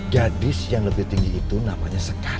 gadis yang lebih tinggi itu namanya sekada